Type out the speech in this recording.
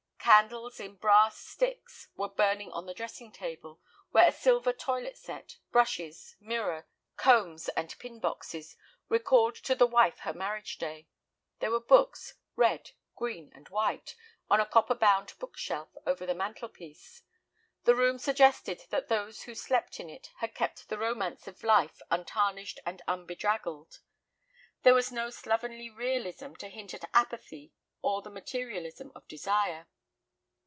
Candles in brass sticks were burning on the dressing table, where a silver toilet set—brushes, mirror, combs, and pin boxes—recalled to the wife her marriage day. There were books—red, green, and white—on a copper bound book shelf over the mantel piece. The room suggested that those who slept in it had kept the romance of life untarnished and unbedraggled. There was no slovenly realism to hint at apathy or the materialism of desire.